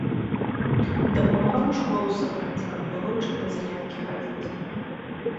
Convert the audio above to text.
Дапамагаў у школу сабраць, каб было ў чым на заняткі хадзіць.